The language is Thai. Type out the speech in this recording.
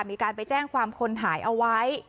มีการไปแจ้งความคนหายเอาไว้